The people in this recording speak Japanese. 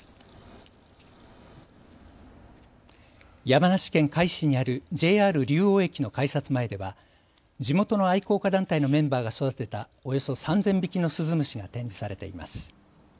山梨県甲斐市にあるＪＲ竜王駅の改札前では地元の愛好家団体のメンバーが育てたおよそ３０００匹のスズムシが展示されています。